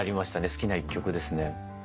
好きな１曲ですね。